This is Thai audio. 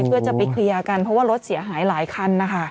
เพื่อจะไปเคลียร์กันเพราะว่ารถเสียหายหลายคันนะคะ